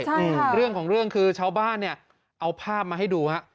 นี่เรื่องของเรื่องคือชาวบ้านเนี่ยเอาภาพมาให้ดูฮะ